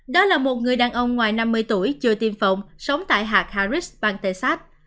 đó là một người đàn ông ngoài năm mươi tuổi chưa tiêm phộng sống tại hạc harris bang texas